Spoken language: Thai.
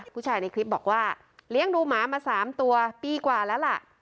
ผู้ชายในคลิปบอกว่าเลี้ยงดูหมามา๓ตัวปีกว่าแล้วล่ะ